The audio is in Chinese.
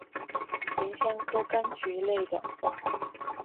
芸香科柑橘类等。